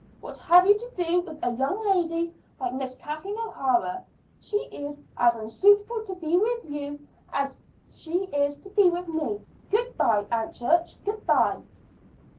What have you to do with a young lady like Miss Kathleen O'Hara. She's as unsuitable to be with you as she is to be with me. Good bye, Aunt Church; good bye."